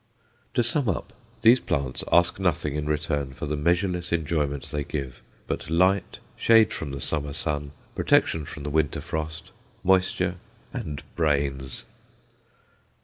To sum up: these plants ask nothing in return for the measureless enjoyment they give but light, shade from the summer sun, protection from the winter frost, moisture and brains.